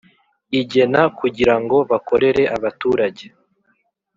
igena kugira ngo bakorere abaturage